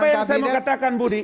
apa yang saya mau katakan budi